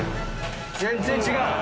全然違う。